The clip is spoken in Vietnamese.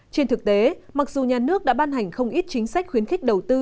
trên thực tế mặc dù nhà nước đã ban hành không ít chính sách khuyến khích đầu tư